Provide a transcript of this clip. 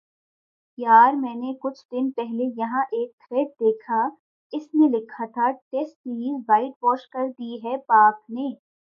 یار میں نے کچھ دن پہلے یہاں ایک تھریڈ دیکھا اس میں لکھا تھا ٹیسٹ سیریز وائٹ واش کر دی ہے پاک نے